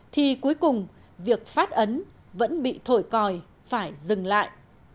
thì cuối cùng việc phát ấn vẫn bị thổi còi phải dừng lại